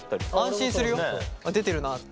安心するよ。ああ出てるなって。